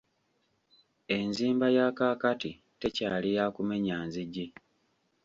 Enzimba ya kaakati tekyali yakumenya nzigi.